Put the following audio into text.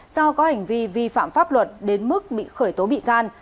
do có hành vi vi phạm pháp luật đến mức bị khởi tố bị can